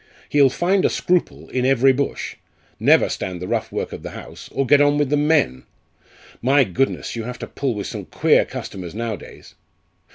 He'll find a scruple in every bush never stand the rough work of the House, or get on with the men. My goodness! you have to pull with some queer customers nowadays.